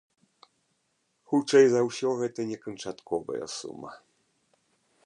Хутчэй за ўсё гэта не канчатковая сума.